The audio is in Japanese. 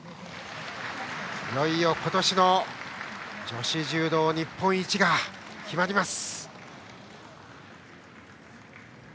いよいよ今年の女子柔道日本一が決まります。